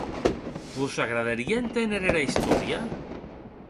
Vos agradarie entener era istòria?